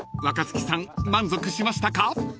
［若槻さん満足しましたか？］